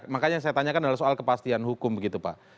makanya yang saya tanyakan adalah soal kepastian hukum begitu pak